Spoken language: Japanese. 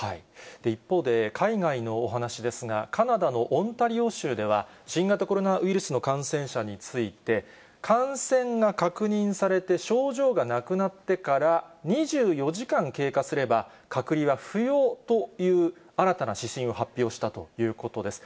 一方で、海外のお話ですが、カナダのオンタリオ州では、新型コロナウイルスの感染者について、感染が確認されて症状がなくなってから２４時間経過すれば、隔離は不要という新たな指針を発表したということです。